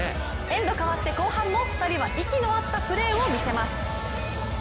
エンド変わって後半も２人は息の合ったプレーを見せます。